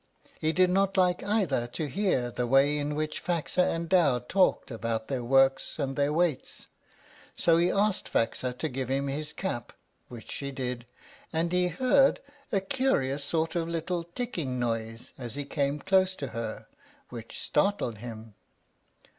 He did not like either to hear the way in which Faxa and Dow talked about their works and their weights; so he asked Faxa to give him his cap, which she did, and he heard a curious sort of little ticking noise as he came close to her, which startled him.